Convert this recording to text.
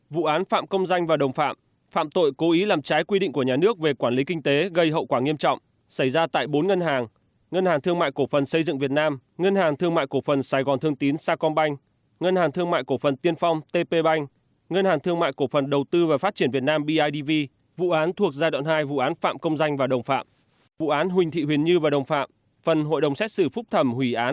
vụ án phạm công danh và đồng phạm phạm tội cố ý làm trái quy định của nhà nước về quản lý kinh tế gây hậu quả nghiêm trọng xảy ra tại bốn ngân hàng ngân hàng thương mại cổ phần xây dựng việt nam ngân hàng thương mại cổ phần sài gòn thương tín sa công banh ngân hàng thương mại cổ phần tiên phong tp banh ngân hàng thương mại cổ phần đầu tư và phát triển việt nam bidv vụ án thuộc giai đoạn hai vụ án phạm công danh và đồng phạm vụ án huỳnh thị huyền như và đồng phạm phần hội đồng xét xử phúc thẩm